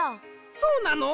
そうなの？